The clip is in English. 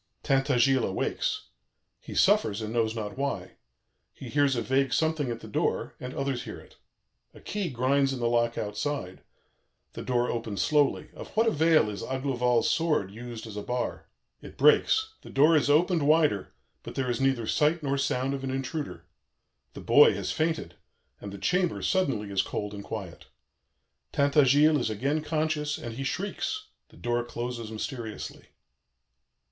"Tintagiles awakes. He suffers and knows not why. He hears a vague something at the door, and others hear it. A key grinds in the lock outside. The door opens slowly. Of what avail is Aglovale's sword used as a bar? It breaks. The door is opened wider, but there is neither sight nor sound of an intruder. The boy has fainted, and the chamber suddenly is cold and quiet. Tintagiles is again conscious and he shrieks. The door closes mysteriously.